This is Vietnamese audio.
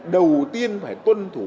đầu tiên phải tuân thủ